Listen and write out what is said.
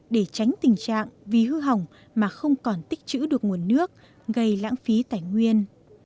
để tránh tình trạng vì hư hỏng mà không còn tích chữ được nguồn nước gây lãng phí tài nguyên